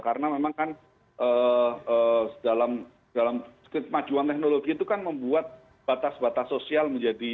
karena memang kan dalam kemajuan teknologi itu kan membuat batas batas sosial menjadi